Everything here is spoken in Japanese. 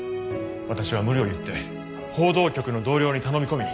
私は無理を言って報道局の同僚に頼み込み